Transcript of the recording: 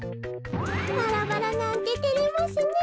バラバラなんててれますね。